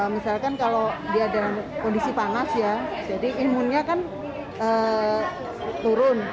misalkan kalau dia dalam kondisi panas ya jadi imunnya kan turun